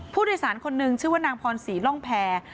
ผู้โดยสารคนนึงชื่อว่านางพรศรีร่องแพร